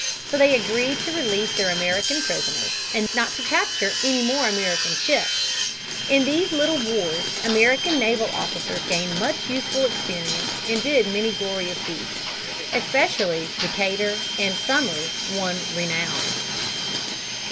So they agreed to release their American prisoners and not to capture any more American ships (1805). In these little wars American naval officers gained much useful experience and did many glorious deeds. Especially Decatur and Somers won renown.